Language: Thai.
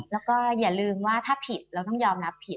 แล้วก็อย่าลืมว่าถ้าผิดเราต้องยอมรับผิด